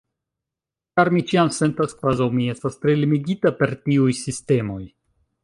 ĉar mi ĉiam sentas kvazaŭ mi estas tre limigita per tiuj sistemoj